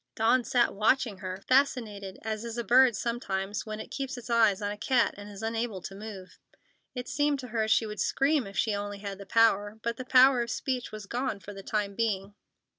Dawn sat watching her, fascinated as is a bird sometimes when it keeps its eyes on a cat and is unable to move. It seemed to her she would scream if she only had the power, but the power of speech was gone for the time being.